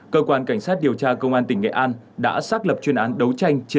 cơ quan cảnh sát điều tra công an tỉnh nghệ an đã xác lập chuyên án đấu tranh